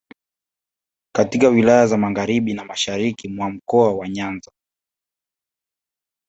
katika wilaya za magharibi na mashariki mwa Mkoa wa Nyanza